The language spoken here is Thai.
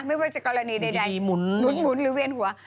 ไม่ว่าจะกรณีใดหมุนหรือเวียนหัว